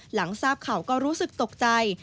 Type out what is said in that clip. หลังทราบข่าวก็รู้สึกตกใจ